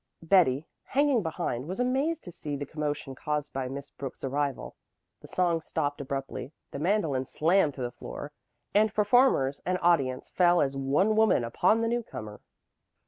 Betty, hanging behind, was amazed to see the commotion caused by Miss Brooks's arrival. The song stopped abruptly, the mandolin slammed to the floor, and performers and audience fell as one woman upon the newcomer.